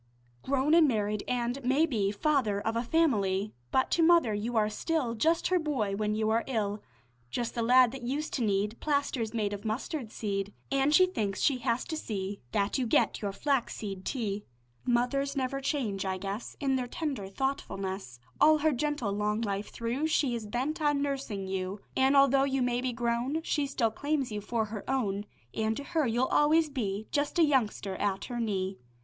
Grown and married an' maybe Father of a family, But to mother you are still Just her boy when you are ill; Just the lad that used to need Plasters made of mustard seed; An' she thinks she has to see That you get your flaxseed tea. Mothers never change, I guess, In their tender thoughtfulness. All her gentle long life through She is bent on nursing you; An' although you may be grown, She still claims you for her own, An' to her you'll always be Just a youngster at her knee.